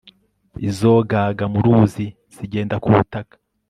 izogaga mu ruzi zigenda ku butaka